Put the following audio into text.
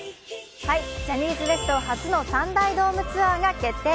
ジャニーズＷＥＳＴ初の３大ドームツアーが確定。